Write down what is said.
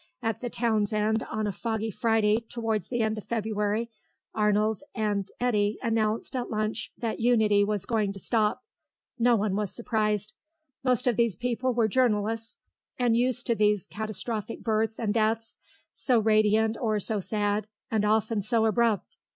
At the Town's End on a foggy Friday towards the end of February, Arnold and Eddy announced at lunch that Unity was going to stop. No one was surprised. Most of these people were journalists, and used to these catastrophic births and deaths, so radiant or so sad, and often so abrupt.